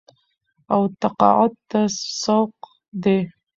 او تقاعد ته سوق دي